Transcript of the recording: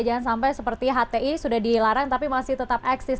jangan sampai seperti hti sudah dilarang tapi masih tetap eksis